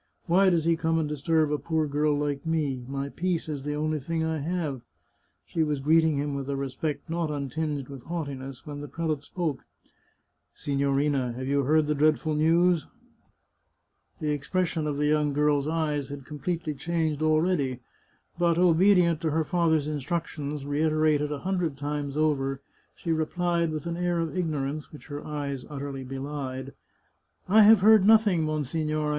" Why does he come and disturb a poor girl like me ? My peace is the only thing I have !" She was greeting him with a respect not untinged with haughtiness when the prelate spoke :" Signorina, have you heard the dreadful news ?" The expression of the young girl's eyes had completely changed already, but, obedient to her father's instructions, reiterated a hundred times over, she replied, with an air of ignorance which her eyes utterly belied: " I have heard nothing, monsignore."